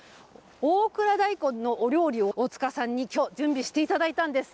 大蔵大根のお料理を大塚さんにきょう準備していただいたんです。